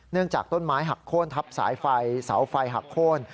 จากต้นไม้หักโค้นทับสายไฟเสาไฟหักโค้น